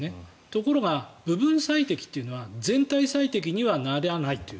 ところが、部分最適というのは全体最適にはならないと。